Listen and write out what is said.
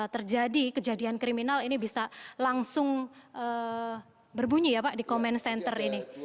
terjadi kejadian kriminal ini bisa langsung berbunyi ya pak di comment center ini